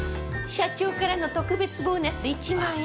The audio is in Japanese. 社長からの特別ボーナス１万円。